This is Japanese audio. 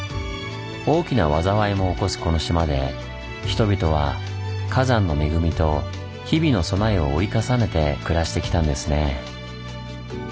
大きな災いも起こすこの島で人々は火山の恵みと日々の備えを折り重ねて暮らしてきたんですね。